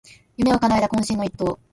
夢をかなえた懇親の一投